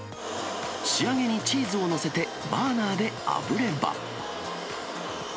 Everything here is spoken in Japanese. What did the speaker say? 仕上げにチーズを載せて、バーナーであぶれば。